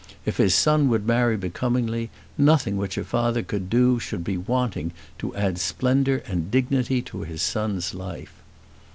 If his son would marry becomingly nothing which a father could do should be wanting to add splendour and dignity to his son's life.